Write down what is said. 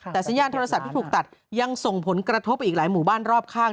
แต่สัญญาณโทรศัพท์ที่ถูกตัดยังส่งผลกระทบไปอีกหลายหมู่บ้านรอบข้าง